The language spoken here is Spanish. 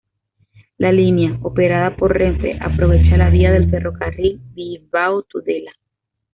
La línea, operada por Renfe, aprovecha la vía del ferrocarril Bilbao-Tudela.